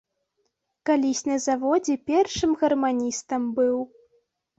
Калісь на заводзе першым гарманістам быў.